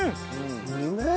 うめえ！